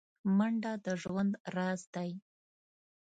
منډه د ژوند راز دی